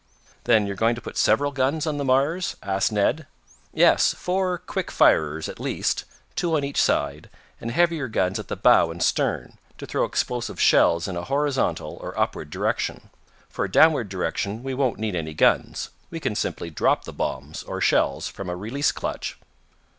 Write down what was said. "Then you're going to put several guns on the Mars?" asked Ned. "Yes, four quick firers, at least, two on each side, and heavier guns at the bow and stern, to throw explosive shells in a horizontal or upward direction. For a downward direction we won't need any guns, we can simply drop the bombs, or shells, from a release clutch."